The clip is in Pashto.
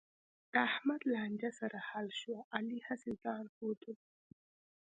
د احمد لانجه سره حل شوه، علي هسې ځآن ښودلو.